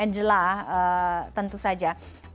dan angela tentu saja